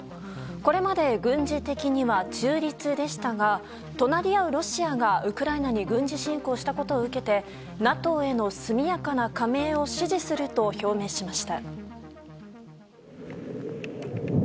これまで軍事的には中立でしたが隣り合うロシアがウクライナに軍事侵攻したことを受けてＮＡＴＯへの速やかな加盟を支持すると表明しました。